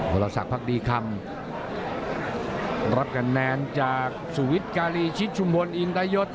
บริษัทภักดีคำรถกันแนนจากสุวิทย์กาลีชิตชุมวลอินตะยศ